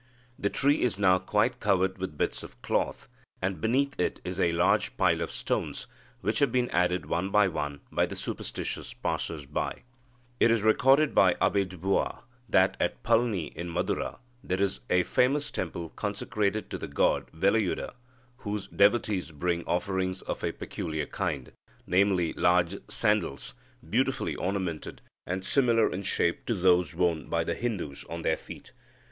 The tree is now quite covered with bits of cloth, and beneath it is a large pile of stones, which have been added one by one by the superstitious passers by." It is recorded by the Abbé Dubois that "at Palni, in Madura, there is a famous temple consecrated to the god Velayuda, whose devotees bring offerings of a peculiar kind, namely large sandals, beautifully ornamented, and similar in shape to those worn by the Hindus on their feet.